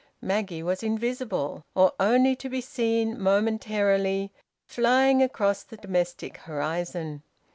Maggie was invisible, or only to be seen momentarily, flying across the domestic horizon.